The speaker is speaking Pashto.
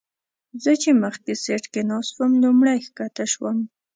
زه چې مخکې سیټ کې ناست وم لومړی ښکته شوم.